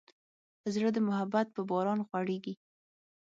زړه د محبت په باران غوړېږي.